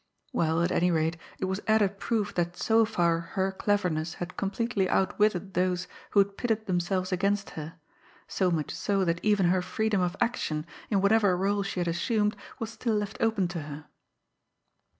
Well, at any rate, it was added proof that so far her cleverness had completely outwitted those who had pitted themselves against her so much so that even her freedom of action, in whatever role she had assumed, was still left open to her.